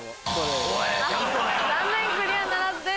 残念クリアならずです。